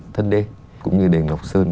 thân đê cũng như đền ngọc sơn